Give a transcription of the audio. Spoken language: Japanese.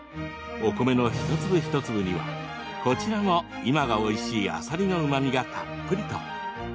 お米の一粒一粒にはこちらも今がおいしいあさりのうまみがたっぷりと。